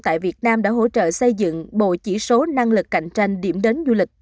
tại việt nam đã hỗ trợ xây dựng bộ chỉ số năng lực cạnh tranh điểm đến du lịch